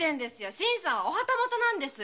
新さんはお旗本なんです。